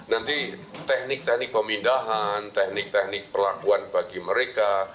nanti teknik teknik pemindahan teknik teknik perlakuan bagi mereka